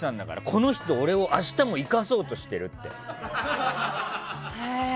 この人、俺を明日も生かそうとしてるって。